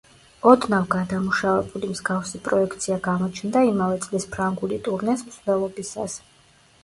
ოდნავ გადამუშავებული მსგავსი პროექცია გამოჩნდა იმავე წლის ფრანგული ტურნეს მსვლელობისას.